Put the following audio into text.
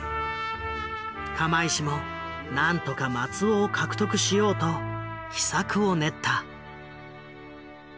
釜石もなんとか松尾を獲得しようと秘策を練った。